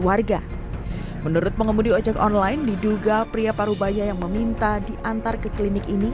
warga menurut pengemudi ojek online diduga pria parubaya yang meminta diantar ke klinik ini